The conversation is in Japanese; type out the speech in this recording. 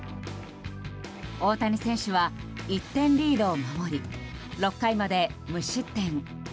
大谷選手は１点リードを守り６回まで無失点。